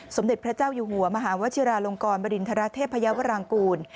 สมเด็จพระเจ้าอยู่หัวมหาวชิราลงกรบริณฑราเทพยาวรางกูล